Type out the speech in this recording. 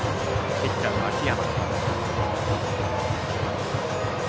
ピッチャーの秋山。